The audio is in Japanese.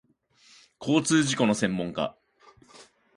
交通事故の専門家